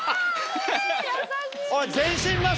優しい。